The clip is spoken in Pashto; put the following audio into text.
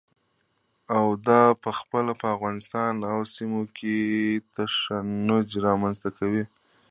او دا پخپله په افغانستان او سیمه کې تشنج رامنځته کوي.